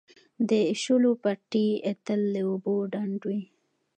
د شولو پټي تل له اوبو ډنډ وي.